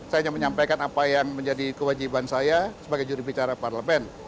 saya hanya menyampaikan apa yang menjadi kewajiban saya sebagai jurubicara parlemen